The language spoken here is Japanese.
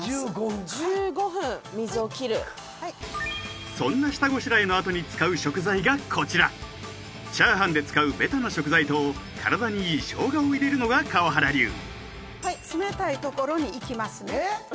１５分か１５分水を切るそんな下ごしらえのあとに使う食材がこちらチャーハンで使うベタな食材と体にいいしょうがを入れるのが川原流いきますね